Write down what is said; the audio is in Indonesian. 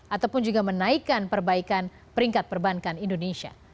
ataupun juga menaikkan perbaikan peringkat perbankan indonesia